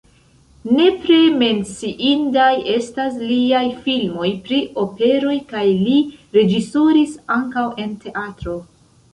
Nepre menciindaj estas liaj filmoj pri operoj kaj li reĝisoris ankaŭ en teatro.